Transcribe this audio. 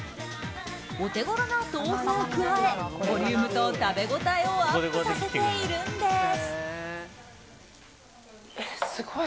お手頃な豆腐を加えボリュームと食べ応えをアップさせているんです。